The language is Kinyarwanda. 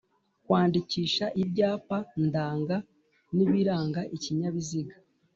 kwandikisha ibyapa ndanga n'ibiranga ikinyabiziga